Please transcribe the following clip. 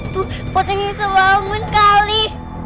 tuh potongnya semangun kali